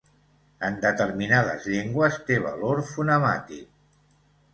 En determinades llengües té valor fonemàtic.